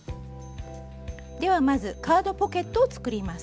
ではまずカードポケットを作ります。